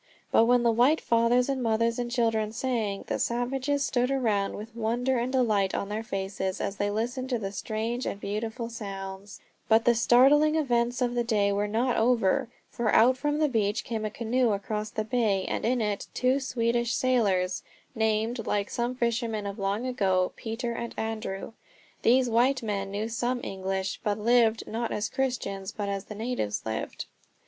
But when the white fathers and mothers and children sang, the savages stood around with wonder and delight on their faces as they listened to the strange and beautiful sounds. But the startling events of the day were not over. For out from the beach came a canoe across the bay, and in it two Swedish sailors, named, like some fishermen of long ago, Peter and Andrew. These white men knew some English, but lived, not as Christians, but as the natives lived.